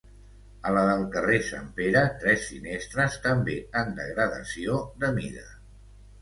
A la del carrer Sant Pere tres finestres també en degradació de mida.